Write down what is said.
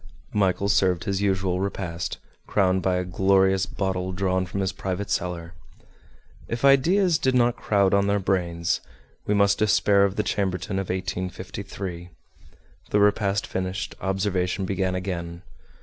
Michel served his usual repast, crowned by a glorious bottle drawn from his private cellar. If ideas did not crowd on their brains, we must despair of the Chambertin of 1853. The repast finished, observation began again.